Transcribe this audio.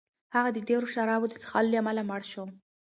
هغه د ډېرو شرابو د څښلو له امله مړ شو.